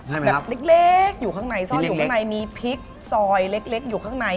แบบเล็กอยู่ข้างในซ่อนอยู่ข้างในมีพริกซอยเล็กอยู่ข้างใน